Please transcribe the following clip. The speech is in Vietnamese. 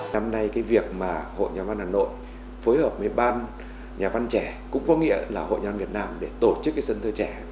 năm nay cái việc mà hội nhà văn hà nội phối hợp với ban nhà văn trẻ cũng có nghĩa là hội nhà văn việt nam để tổ chức cái sân chơi trẻ